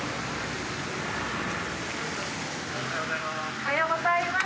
おはようございます。